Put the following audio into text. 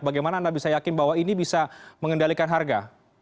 bagaimana anda bisa yakin bahwa ini bisa mengendalikan harga